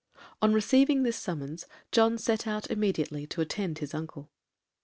On receiving this summons, John set immediately out to attend his uncle.